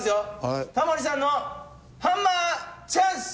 タモリさんのハンマーチャンス！